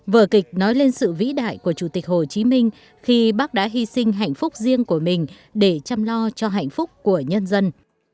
vở kịch nói lên sự vĩ đại của chủ tịch hồ chí minh khi bác đã hy sinh hạnh phúc riêng của mình để chăm lo cho hạnh phúc của nhân dân